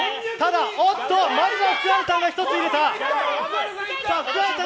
おっと、まずは福原さんが１つ入れた！